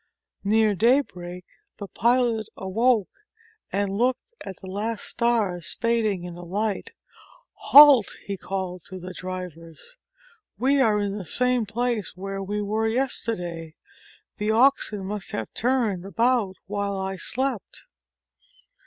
Near daybreak, the pilot awoke and looked at the last stars fading in the light. "Halt!" he called to the drivers. "We are in the same place where we were yesterday. The oxen must have turned about while I slept."